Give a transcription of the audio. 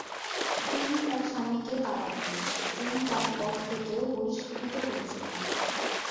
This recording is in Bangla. তিনি তার স্বামীকে তালাক দেন যিনি তার পদ থেকেও বহিষ্কৃত হয়েছিলেন।